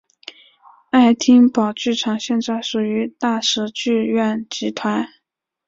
爱丁堡剧场现在属于大使剧院集团。